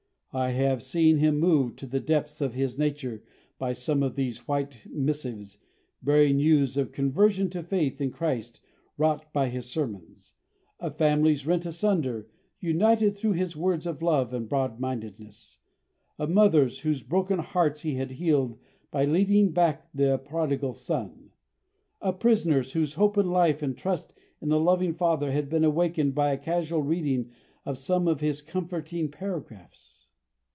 I have seen him moved to the depths of his nature by some of these white missives bearing news of conversion to faith in Christ wrought by his sermons; of families rent asunder united through his words of love and broadmindedness; of mothers whose broken hearts he had healed by leading back the prodigal son; of prisoners whose hope in life and trust in a loving Father had been awakened by a casual reading of some of his comforting paragraphs.